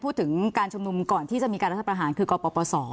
พูดถึงการชุมนุมก่อนที่จะมีการรัฐประหารคือกปศ